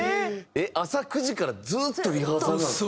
えっ朝９時からずっとリハーサルなんですか？